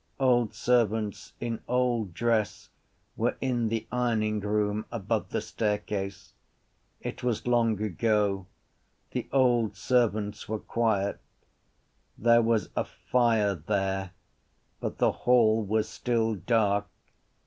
Old servants in old dress were in the ironingroom above the staircase. It was long ago. The old servants were quiet. There was a fire there but the hall was still dark.